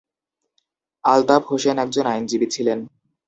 আলতাফ হোসেন একজন আইনজীবী ছিলেন।